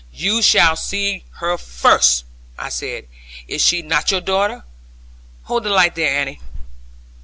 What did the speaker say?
'You shall see her first,' I said: 'is she not your daughter? Hold the light there, Annie.'